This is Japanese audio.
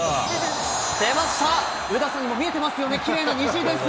出ました、上田さんにも見えてますよね、きれいな虹です。